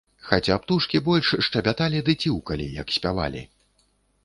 Хаця птушкі больш шчабяталі ды ціўкалі, як спявалі.